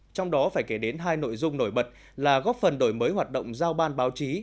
trong đó phải kể đến hai nội dung nổi bật là góp phần đổi mới hoạt động giao ban báo chí